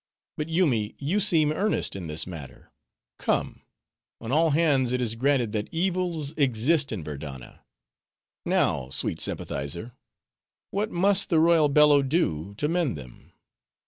But Yoomy, you seem earnest in this matter;—come: on all hands it is granted that evils exist in Verdanna; now sweet Sympathizer, what must the royal Bello do to mend them?"